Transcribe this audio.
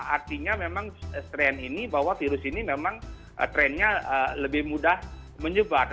artinya memang tren ini bahwa virus ini memang trennya lebih mudah menyebar